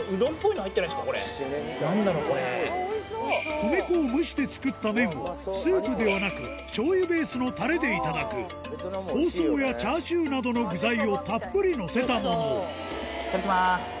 米粉を蒸して作った麺をスープではなく醤油ベースのタレでいただく香草やチャーシューなどの具材をたっぷりのせたものいただきます。